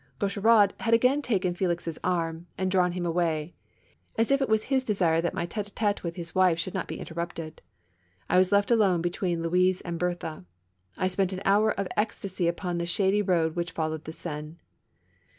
Gaucheraud had again taken Felix's arm and drawn him aw^ay, as if it was his desire that my tete a tete with his wife should not be interrupted. I was left alone between Louise and Berthe ; I spent an hour of ecstasy upon that shady road which folloAved the Seine. THE MAISONS LAFFITTE RACES.